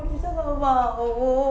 nisa gak mau